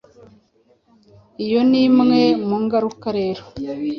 iyo n’Imwe mu ngaruka rero,